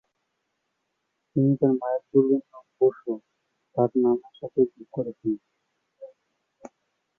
তিনি তাঁর মায়ের পূর্বের নাম "বসু" তাঁর নামের সাথে যোগ করেছেন।